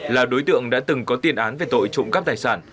là đối tượng đã từng có tiền án về tội trộm cắp tài sản